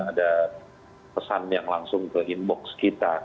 ada pesan yang langsung ke inbox kita